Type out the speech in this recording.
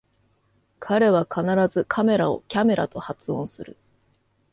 彼は必ずカメラをキャメラと発音する